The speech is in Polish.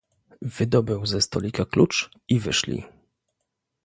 "Wydobył ze stolika klucz i wyszli."